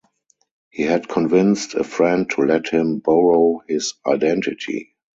He had convinced a friend to let him borrow his identity.